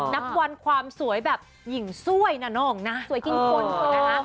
นับวันความสวยแบบหญิงซ่วยนะน้องสวยกินคน